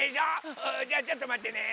あじゃちょっとまってね。